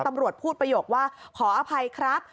ตำรวจพูดประโยคว่าขออภัยครับ